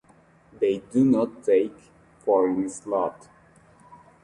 They do not take foreign slot.